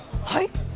はい！？